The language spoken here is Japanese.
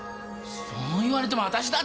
そう言われても私だってねぇ。